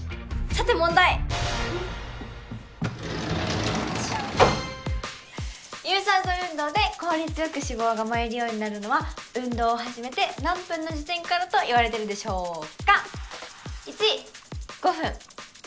さて問題有酸素運動で効率よく脂肪が燃えるようになるのは運動を始めて何分の時点からと言われてるでしょうか？